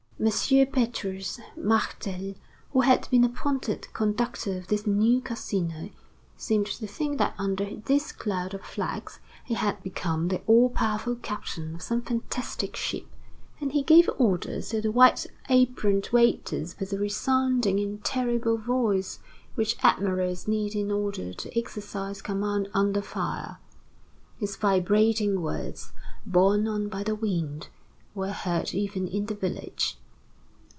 M. Petrus Martel, who had been appointed conductor of this new Casino, seemed to think that under this cloud of flags he had become the all powerful captain of some fantastic ship; and he gave orders to the white aproned waiters with the resounding and terrible voice which admirals need in order to exercise command under fire. His vibrating words, borne on by the wind, were heard even in the village.